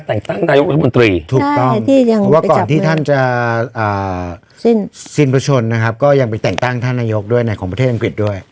เพราะว่าก่อนที่ท่านจะสิ้นประชวนนะครับก็ยังไปแต่งตั้งท่านนายกด้วยของประเทศอังกฤษด้วย